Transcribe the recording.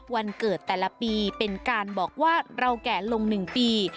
วันเกิดแต่ละปีเป็นการบอกว่าเราแก่ลง๑ปี